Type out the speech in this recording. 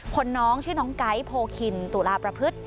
น้องชื่อน้องไก๊โพคินตุลาประพฤติ